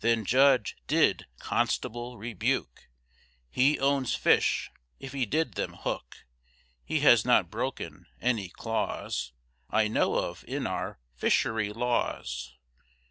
Then judge did constable rebuke, He owns fish if he did them hook, He has not broken any clause I know of in our fishery laws.